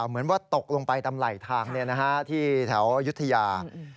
เหมือนว่าตกลงไปตามไหลทางที่แถวยุธยา